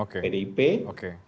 yang ada di atas tadi